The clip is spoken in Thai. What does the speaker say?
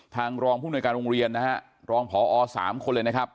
ทางรองผู้หน่วยการโรงเรียนนะครับรองผอ๓คนเลยนะครับ